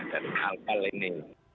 dan hal hal ini